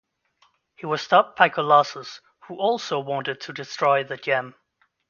He was stopped by Colossus, who also wanted to destroy the gem.